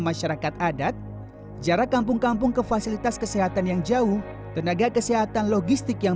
masyarakat adat jarak kampung kampung ke fasilitas kesehatan yang jauh tenaga kesehatan logistik yang